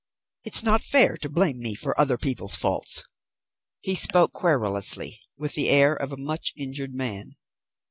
It's not fair to blame me for other people's faults." He spoke querulously, with the air of a much injured man.